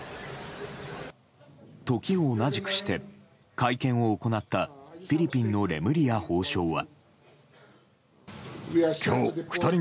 時を同じくして会見を行ったフィリピンのレムリヤ法相は。